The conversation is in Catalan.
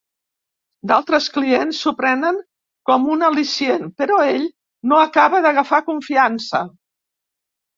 D'altres clients s'ho prenen com un al·licient, però ell no acaba d'agafar confiança.